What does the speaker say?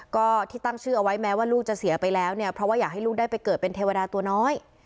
ก็ที่ตั้งชื่อเอาไว้แม้ว่าลูกจะเสียไปแล้วเนี่ยเพราะว่าอยากให้ลูกได้ไปเกิดเป็นเทวดาตัวน้อย